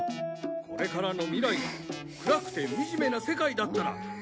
これからの未来が暗くて惨めな世界だったら困るだろ！？